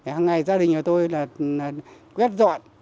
hằng ngày gia đình nhà tôi là ghét dọn